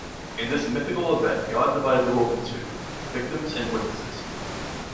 In this mythical event God divided the world in two, victims and witnesses.